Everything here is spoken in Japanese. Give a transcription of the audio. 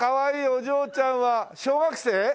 お嬢ちゃんは小学生？